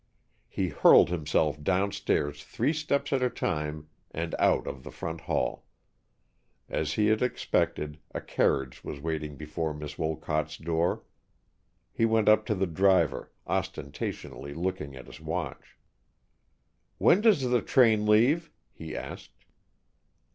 He hurled himself downstairs three steps at a time and out of the front hall. As he had expected, a carriage was waiting before Miss Wolcott's door. He went up to the driver, ostentatiously looking at his watch. "When does the train leave?" he asked.